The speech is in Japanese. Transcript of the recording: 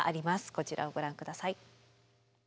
こちらをご覧ください。